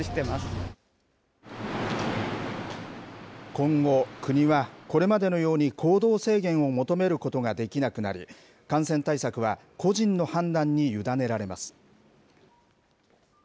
今後、国は、これまでのように行動制限を求めることができなくなり、感染対策は個人の判断に委ねられます。